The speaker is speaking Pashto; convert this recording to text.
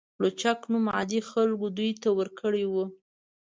لوچک نوم عادي خلکو دوی ته ورکړی و.